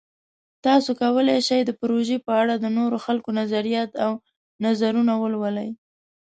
تاسو کولی شئ د پروژې په اړه د نورو خلکو نظریات او نظرونه ولولئ.